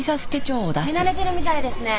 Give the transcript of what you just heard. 見慣れてるみたいですね。